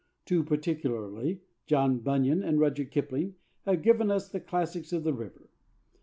Two particularly, John Bunyan and Rudyard Kipling, have given us the classics of the river.